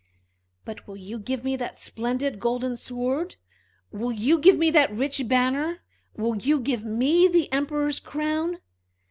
"But will you give me that splendid golden sword? Will you give me that rich banner? Will you give me the Emperor's crown?"